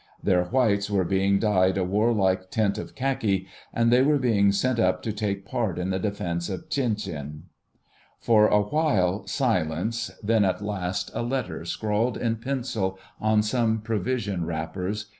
Their whites were being dyed a warlike tint of khaki, and they were being sent up to take part in the defence of Tientsin. For a while silence, then at last a letter scrawled in pencil on some provision wrappers.